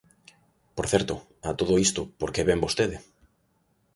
Por certo, a todo isto, ¿por que vén vostede?